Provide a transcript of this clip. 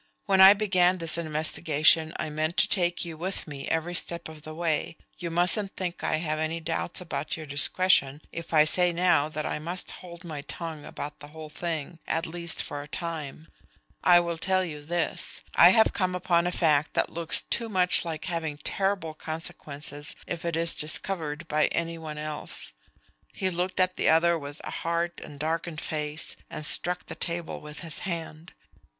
"When I began this investigation I meant to take you with me every step of the way. You mustn't think I have any doubts about your discretion if I say now that I must hold my tongue about the whole thing, at least for a time. I will tell you this: I have come upon a fact that looks too much like having terrible consequences if it is discovered by any one else." He looked at the other with a hard and darkened face, and struck the table with his hand.